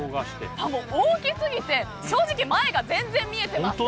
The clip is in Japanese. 大きすぎて正直、前が全然見えてません。